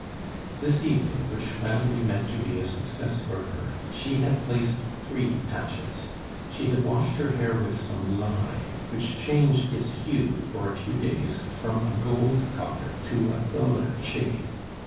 This evening, which Valerie meant to be a success for her, she had placed three patches. She had washed her hair with some lye, which changed its hue for a few days from a gold color to a duller shade.